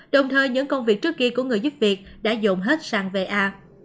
đồng thời những công việc trước kia của người giúp việc đã dồn hết sang va